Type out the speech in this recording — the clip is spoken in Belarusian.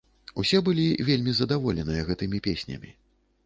Усе былі вельмі задаволеныя гэтымі песнямі.